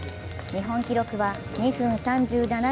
日本記録は２分３７秒７２。